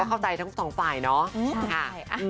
เข้าใจทั้งสองฝ่ายเนาะ